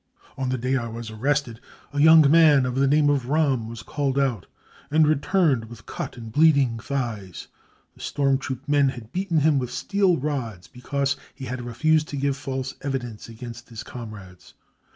On the d%y when I was arrested a young man of the name of Rahm was called out, and returned with cut and bleeding thighs. The storm troop men had beaten him with steel rods because he had refused to give false evidence against his comrades.